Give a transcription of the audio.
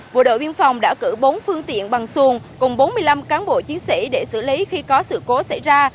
bộ đội biên phòng đã cử bốn phương tiện bằng xuồng cùng bốn mươi năm cán bộ chiến sĩ để xử lý khi có sự cố xảy ra